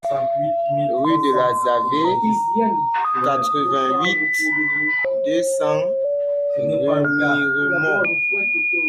Rue de la Xavée, quatre-vingt-huit, deux cents Remiremont